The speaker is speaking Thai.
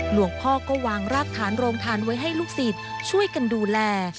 หลวงพ่อก็วางรากฐานโรงทานไว้ให้ลูกศิษย์ช่วยกันดูแล